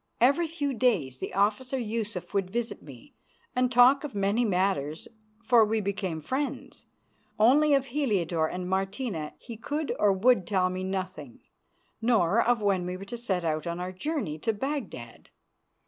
Every few days the officer Yusuf would visit me and talk of many matters, for we became friends. Only of Heliodore and Martina he could or would tell me nothing, nor of when we were to set out on our journey to Baghdad.